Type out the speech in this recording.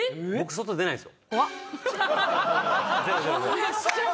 外出ないです。